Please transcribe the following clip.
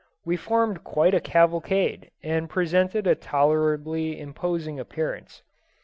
We formed quite a cavalcade, and presented a tolerably imposing appearance.